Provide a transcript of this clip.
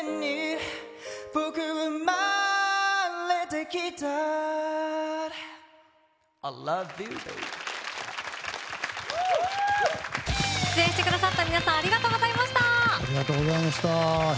Ｉｌｏｖｅｙｏｕ．出演してくださった皆さんありがとうございました。